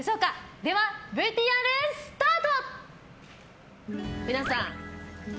では、ＶＴＲスタート。